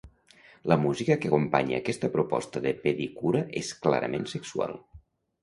La música que acompanya aquesta proposta de pedicura és clarament sexual.